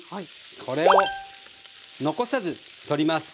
これを残さず取ります。